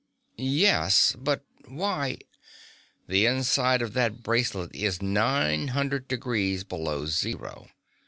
"Yes, but why " "The inside of that bracelet is nine hundred degrees below zero.